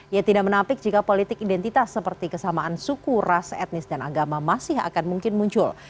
ia tidak menampik jika politik identitas seperti kesamaan suku ras etnis dan agama masih akan mungkin muncul